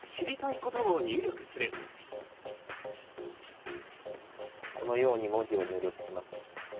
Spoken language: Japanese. このように文字を入力します。